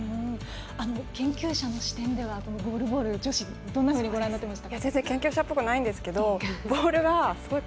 研究者の視点ではゴールボール女子どんなふうにご覧になってましたか？